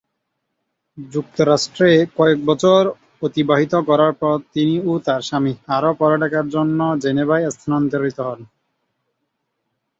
যুক্তরাষ্ট্রে কয়েক বছর অতিবাহিত করার পর তিনি ও তার স্বামী আরও পড়ালেখার জন্য জেনেভায় স্থানান্তরিত হন।